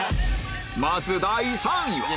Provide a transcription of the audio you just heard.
まず第３位は？